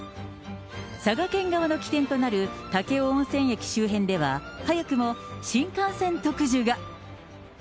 佐賀県側の起点となる武雄温泉駅周辺では、早くも新幹線特需が。